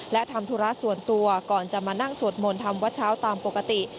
และทำธุระส่วนตัวก่อนจะมานั่งสวดมนต์ทำวัดเช้าตามปกติ